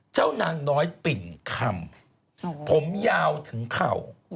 นางน้อยปิ่นคำผมยาวถึงเข่า